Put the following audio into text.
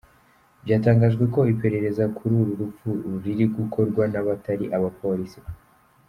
Byatangajwe ko iperereza kuri uru rupfu riri gukorwa n’abatari abapolisi.